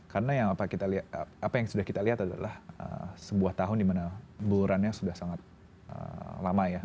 karena apa yang sudah kita lihat adalah sebuah tahun dimana bulurannya sudah sangat lama ya